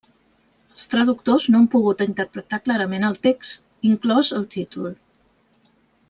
Els traductors no han pogut interpretar clarament el text, inclòs el títol.